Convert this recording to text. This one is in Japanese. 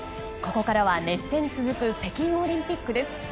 ここからは熱戦続く北京オリンピックです。